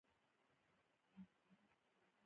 ازادي راډیو د بانکي نظام بدلونونه څارلي.